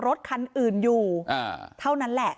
รถคันอื่นอยู่เท่านั้นแหละ